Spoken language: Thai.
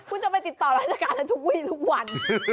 คุณจะไปติดต่อราชการในทุกวีทุกวัน